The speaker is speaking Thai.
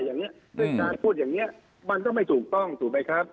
อย่างนี้ด้วยการพูดอย่างนี้มันก็ไม่ถูกต้องถูกไหมครับ